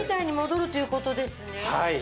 はい。